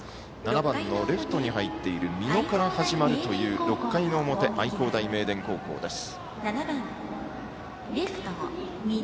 ７番のレフトに入っている美濃から始まるという６回の表、愛工大名電高校です。